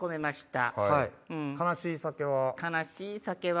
『悲しい酒』は？